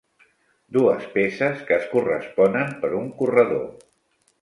Dues peces que es corresponen per un corredor.